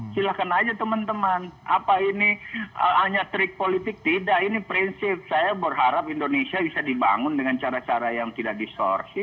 silahkan aja teman teman apa ini hanya trik politik tidak ini prinsip saya berharap indonesia bisa dibangun dengan cara cara yang tidak disorsi